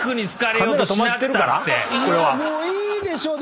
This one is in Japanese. いやもういいでしょ。